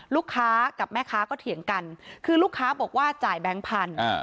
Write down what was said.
ลูกค้ากับแม่ค้าก็เถียงกันคือลูกค้าบอกว่าจ่ายแบงค์พันธุ์